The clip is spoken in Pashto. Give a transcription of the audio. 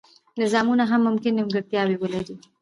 نظامونه هم ممکن نیمګړتیاوې ولري.